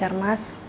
yang mengincar mas